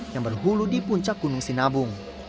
yang berhulu di puncak gunung sinabung